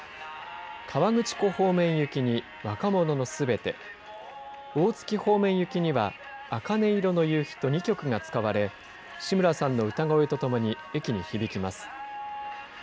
河口湖方面行きに若者のすべて、大月方面行きには、茜色の夕日と２曲が使われ、志村さんの歌声と共に、駅に響きます。